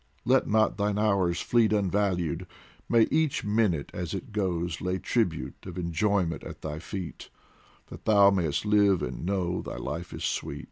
let not thine hours fleet Unvalued ; may each minute as it goes Lay tribute of enjoyment at thy feet, That thou may'st live and know thy life is sweet.